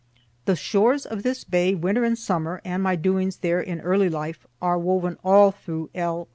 The shores of this bay, winter and summer, and my doings there in early life, are woven all through L.